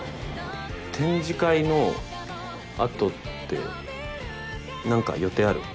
展示会の後って何か予定ある？